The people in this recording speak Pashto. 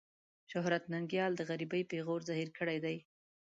شهرت ننګيال د غريبۍ پېغور زهير کړی دی.